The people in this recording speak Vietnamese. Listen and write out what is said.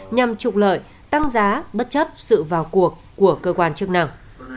nhằm trục lợi tăng giá bất chấp sự vào cuộc của cơ quan chức năng